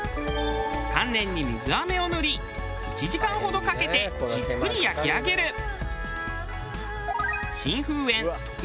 丹念に水あめを塗り１時間ほどかけてじっくり焼き上げる。